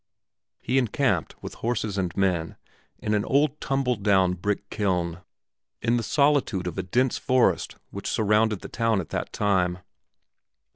He encamped with horses and men in an old tumble down brick kiln, in the solitude of a dense forest which surrounded the town at that time.